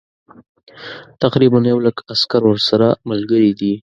تقریبا یو لک عسکر ورسره ملګري دي.